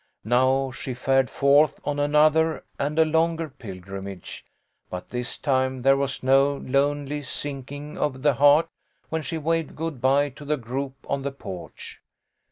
Now she fared forth on another and a longer pilgrimage, but this time there was no lonely sinking of the heart when she waved good bye to the group on the porch.